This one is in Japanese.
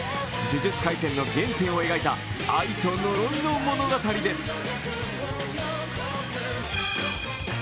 「呪術廻戦」の原点を描いた、愛と呪いの物語です。